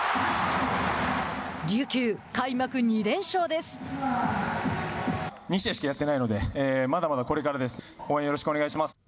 琉球、開幕２連勝です。